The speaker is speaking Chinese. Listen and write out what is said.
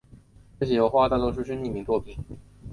这些油画大多是匿名作品。